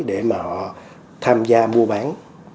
để mà họ tham gia mua bán